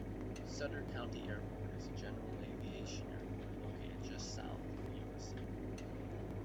Sutter County Airport is a general aviation airport located just south of Yuba City.